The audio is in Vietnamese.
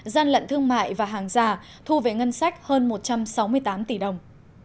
gian lận thương mại và hàng giả thu về ngân sách hơn một trăm sáu mươi tám tỷ đồng